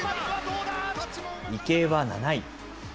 池江は７位。